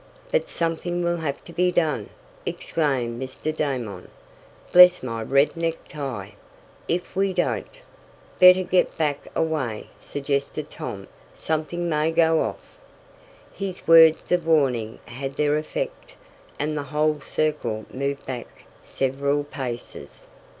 "But something will have to be done!" exclaimed Mr. Damon. "Bless my red necktie, if we don't " "Better get back a way," suggested Tom. "Something may go off!" His words of warning had their effect, and the whole circle moved back several paces.